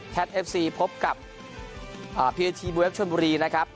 แคทเอฟซีพบกับอ่าพีเอสทีเบอร์เว็บช่วงบุรีนะครับ